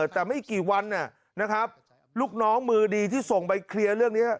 แต่ไม่กี่วันนะครับลูกน้องมือดีที่ส่งไปเคลียร์เรื่องนี้